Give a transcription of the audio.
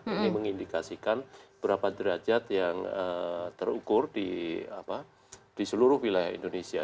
ini mengindikasikan berapa derajat yang terukur di seluruh wilayah indonesia